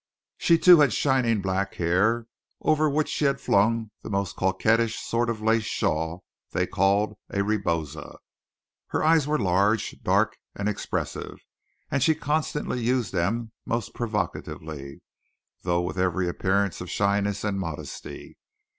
She too had shining black hair, over which she had flung the most coquettish sort of lace shawl they call a rebosa. Her eyes were large, dark, and expressive; and she constantly used them most provocatively, though with every appearance of shyness and modesty.